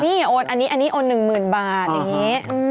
นี่โอนอันนี้โอน๑๐๐๐บาทอย่างนี้